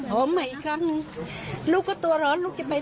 หอมอีกครั้งลูกก็ตัวร้อนลูกจะไปทำไม